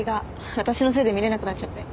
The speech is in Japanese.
私のせいで見れなくなっちゃって。